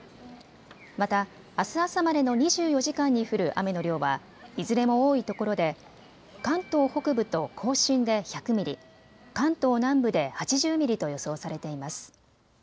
またあす朝までの２４時間に降る雨の量はいずれも多いところで関東北部と甲信で１００ミリ、関東南部で８０ミリと予想されています。